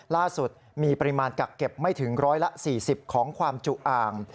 ล่าสุดมีปริมาณกักเก็บไม่ถึงร้อยละ๔๐ของความจุอ่าง